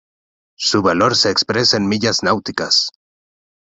Su valor se expresa en millas náuticas.